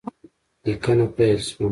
لیکنه پیل شوه